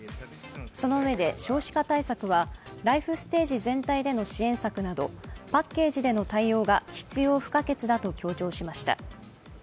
そのうえで少子化対策はライフステージ全体での支援策などパッケージでの対応が必要不可欠だと強調しました。